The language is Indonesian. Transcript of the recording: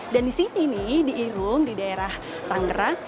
dan di sini nih di ilung di daerah tangerang